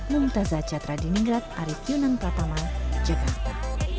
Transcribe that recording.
mungtazah chathra di ninggrat arief yunan pratama jakarta